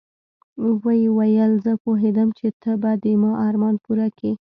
ويې ويل زه پوهېدم چې ته به د ما ارمان پوره کيې.